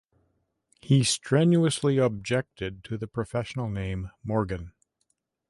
He strenuously objected to the professional name "Morgan".